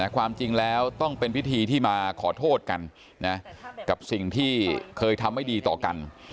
ความจริงแล้วต้องเป็นพิธีที่มาขอโทษกันกับสิ่งที่เคยทำไม่ดีต่อกัน